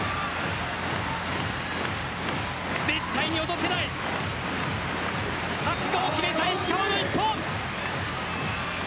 絶対に落とせない覚悟を決めた石川の１本。